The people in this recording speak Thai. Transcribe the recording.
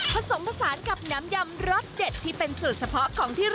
ผสมผสานกับน้ำยำรส๗ที่เป็นสูตรเฉพาะของที่๑๐